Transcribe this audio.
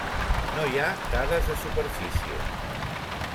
No hi ha dades de superfície.